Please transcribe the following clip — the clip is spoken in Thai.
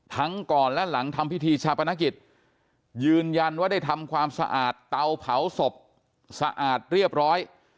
ก่อนและหลังทำพิธีชาปนกิจยืนยันว่าได้ทำความสะอาดเตาเผาศพสะอาดเรียบร้อย